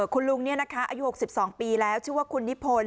คุณลุงนี่นะคะอายุ๖๒ปีแล้วชื่อว่าคุณนิพนฯ